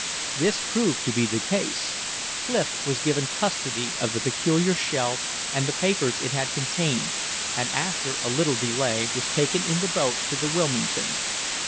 This proved to be the case. Clif was given custody of the peculiar shell and the papers it had contained, and after a little delay was taken in the boat to the Wilmington.